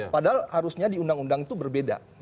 padahal harusnya di undang undang itu berbeda